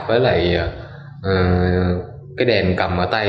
với đèn cầm ở tay